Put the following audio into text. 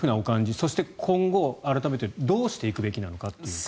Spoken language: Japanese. そして、今後改めてどうしていくべきなのかと。